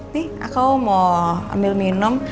nih aku mau ambil minum